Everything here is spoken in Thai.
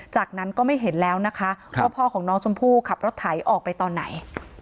จากนั้นก็ไม่เห็นแล้วนะคะว่าพ่อของน้องชมพู่ขับรถไถออกไปตอนไหน